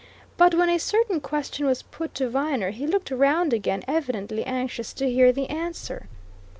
But when a certain question was put to Viner, he looked round again, evidently anxious to hear the answer.